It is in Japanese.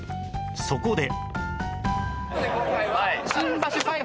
そこで